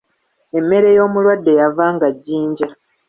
Emmere y'omulwadde yavanga jjinja.